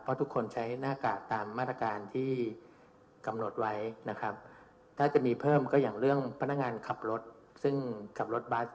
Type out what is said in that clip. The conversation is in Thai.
เพราะทุกคนใช้หน้ากากตามมาตรการที่กำหนดไว้นะครับถ้าจะมีเพิ่มก็อย่างเรื่องพนักงานขับรถซึ่งขับรถบัส